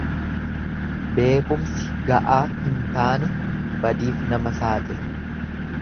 Beekumsi ga'aa hin taane badiif nama saaxila.